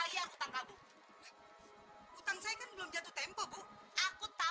jangan jadi ribut